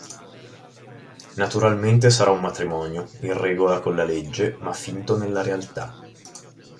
Naturalmente sarà un matrimonio, in regola con la legge, ma finto nella realtà.